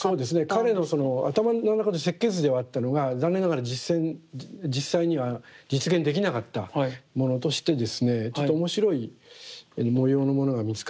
彼の頭の中で設計図ではあったのが残念ながら実際には実現できなかったものとしてですねちょっと面白い模様のものが見つかりました。